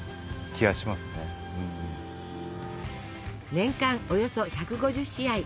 年間およそ１５０試合。